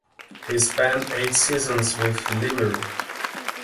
He spent eight seasons with Limerick.